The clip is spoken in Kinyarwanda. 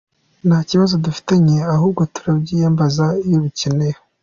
Nta kibazo dufitanye ahubwo turabiyambaza iyo bikenewe.